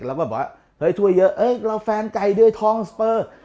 แล้วก็บอกว่าเฮ้ยถ้วยเยอะเราแฟนไก่ด้วยทองสเปอร์